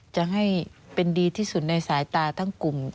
จะให้เป็นดีที่สุดในสายตาทั้งกลุ่ม